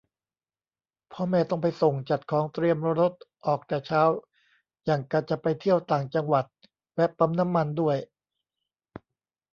พ่อแม่ต้องไปส่ง จัดของ เตรียมรถ ออกแต่เช้า หยั่งกะจะไปเที่ยวต่างจังหวัด แวะปั๊มน้ำมันด้วย